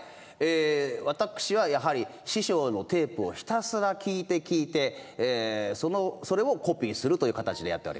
私はやはり師匠のテープをひたすら聴いて聴いてそれをコピーするという形でやっております。